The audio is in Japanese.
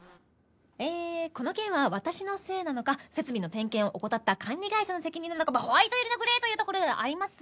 えーこの件は私のせいなのか設備の点検を怠った管理会社の責任なのかホワイト寄りのグレーというところではありますが。